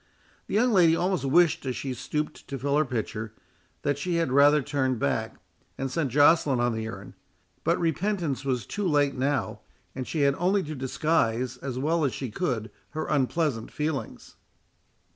The young lady almost wished, as she stooped to fill her pitcher, that she had rather turned back, and sent Joceline on the errand; but repentance was too late now, and she had only to disguise as well as she could her unpleasant feelings.